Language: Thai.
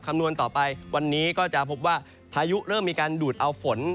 คำนวณต่อไปวันนี้ก็จะพบว่าพายุเริ่มมีการดูดเอาฝน